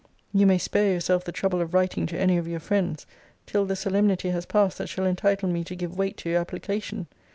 You may spare yourself the trouble of writing to any of your friends, till the solemnity has passed that shall entitle me to give weight to your application.